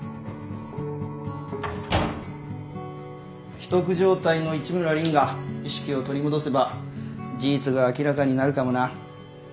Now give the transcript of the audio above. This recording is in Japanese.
危篤状態の市村凜が意識を取り戻せば事実が明らかになるかもな。